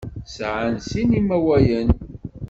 Sɛan sin n yimawalen.